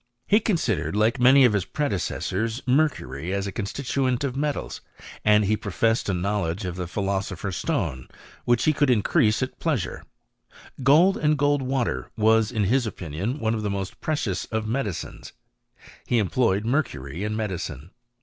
f»v AXicmrsfY* 4S He eoBtldered, like bis predecesion, mercury as a constitaent of metals, and he professed a knowledge of the philosopher's stone, which he could increase at pleasure. Gold and gold water was, in his opinion, t>ne of the most precious of medicines. He employed mercury in medicine.